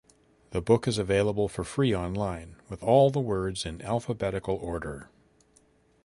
The book is available for free online, with all the words in alphabetical order.